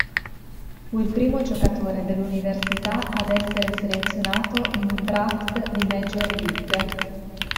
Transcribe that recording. Fu il primo giocatore dell'università ad essere selezionato in un draft di Major League.